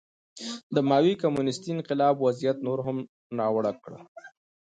د ماوو کمونېستي انقلاب وضعیت نور هم ناوړه کړ.